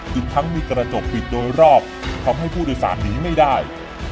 อีกทั้งมีกระจกปิดโดยรอบทำให้ผู้โดยสารหนีไม่ได้